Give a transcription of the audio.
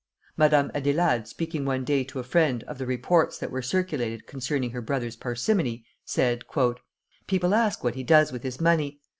Madame Adélaïde, speaking one day to a friend of the reports that were circulated concerning her brother's parsimony, said, "People ask what he does with his money.